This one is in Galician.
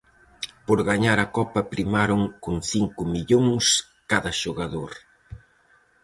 Por gañar a copa primaron con cinco millóns cada xogador.